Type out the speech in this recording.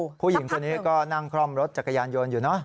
คือผู้หญิงตัวนี้ก็นั่งคล่อมรถจักรยานโยนอยู่เนาะ